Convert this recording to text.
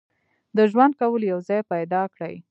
د ژوند کولو یو ځای پیدا کړي.